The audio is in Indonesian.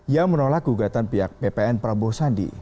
yang menolak gugatan pihak bpn prabowo sandi